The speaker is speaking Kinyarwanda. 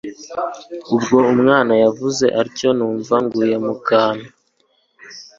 ubwo umwana yavuze atyo numva nguye mukantu